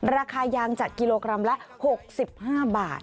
ราคายางจากกิโลกรัมละ๖๕บาท